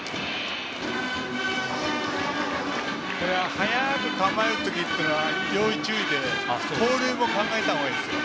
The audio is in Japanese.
早く構えるときは要注意で盗塁も考えたほうがいいです。